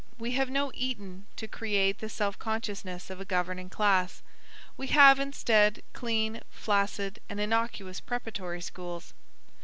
We have no Eton to create the self consciousness of a governing class; we have, instead, clean, flaccid and innocuous preparatory schools.